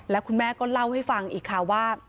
แล้วคุณแม่ก็เล่าให้ฟังอีกค่ะว่า